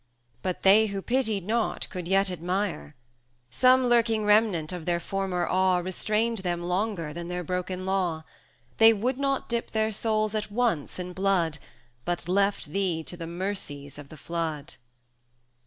But they who pitied not could yet admire; Some lurking remnant of their former awe Restrained them longer than their broken law; They would not dip their souls at once in blood, But left thee to the mercies of the flood.